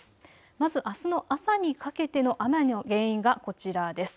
まずあすの朝にかけての雨の原因はこちらです。